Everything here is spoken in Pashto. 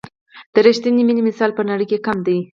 د رښتیني مینې مثال په نړۍ کې کم دی.